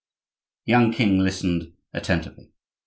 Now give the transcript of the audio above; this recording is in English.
The young king listened attentively.